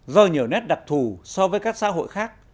do nhiều nét đặc thù so với các xã hội khác